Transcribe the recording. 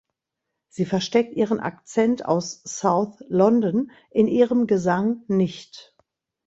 Sie versteckt ihren Akzent aus South London in ihrem Gesang nicht.